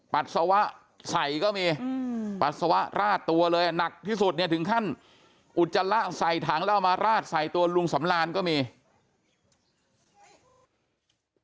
ปัสสาวะใส่ก็มีปัสสาวะราดตัวเลยหนักที่สุดเนี่ยถึงขั้นอุจจาระใส่ถังแล้วเอามาราดใส่ตัวลุงสำรานก็มี